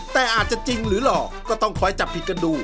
แต่อาจจะจริงหรือหลอกก็ต้องคอยจับผิดกันดู